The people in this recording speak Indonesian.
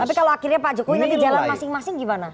tapi kalau akhirnya pak jokowi nanti jalan masing masing gimana